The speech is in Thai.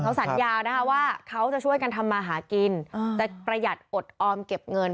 เขาสัญญานะคะว่าเขาจะช่วยกันทำมาหากินจะประหยัดอดออมเก็บเงิน